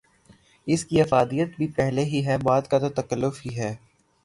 اس کی افادیت بھی پہلے ہی ہے، بعد کا تو تکلف ہی ہے۔